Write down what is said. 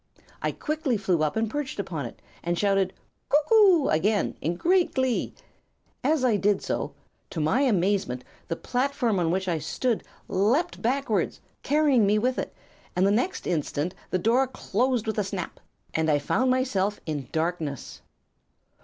I quickly flew up and perched upon it, and shouted 'Cuck oo!' again, in great glee. As I did so, to my amazement the platform on which I stood leaped backward, carrying me with it, and the next instant the door closed with a snap and I found myself in darkness.